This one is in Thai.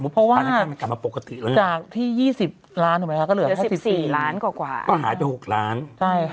เพราะว่าที่ยี่สิบล้านเหรอไหมคะก็เหลือห้าสิบสี่ล้านกว่ากว่า